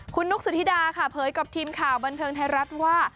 คุณนุ๊กสุธิดาค่ะเผยกับทีมข่าวบันเทิงไทยรัฐว่า